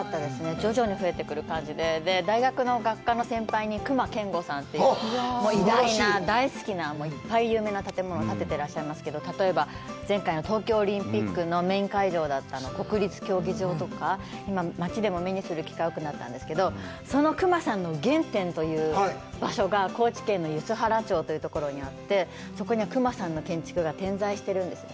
徐々に増えてくる感じで、大学の学科の先輩に隈研吾さんという偉大な、大好きな、いっぱい有名な建物を建てていらっしゃいますけども、例えば、前回の東京オリンピックのメイン会場だった国立競技場とか、街でも目にする機会が多くなったんですけど、その隈さんの原点という場所が高知県の梼原町というところにあって、そこには隈さんの建築が点在しているんですね。